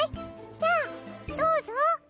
さあどうぞ。